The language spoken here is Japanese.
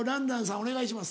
お願いします。